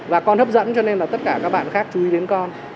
và con hấp dẫn cho nên là tất cả các bạn khác chú ý đến con